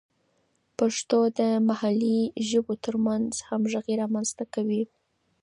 پښتو د محلي ژبو ترمنځ همغږي رامینځته کوي.